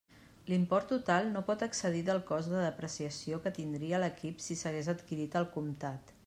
L'import total no pot excedir el cost de depreciació que tindria l'equip si s'hagués adquirit al comptat.